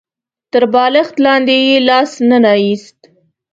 تر بالښت لاندې يې لاس ننه ايست.